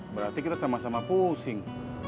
berarti kita sama sama pusing